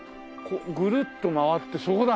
ぐるっと回ってそこだ。